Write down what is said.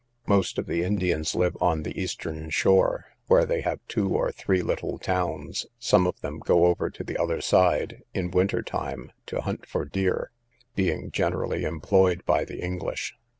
Most of the Indians live on the eastern shore, where they have two or three little towns; some of them go over to the other side, in winter time, to hunt for deer, being generally employed by the English.